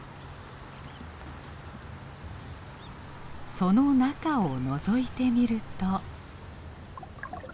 その中をのぞいてみると。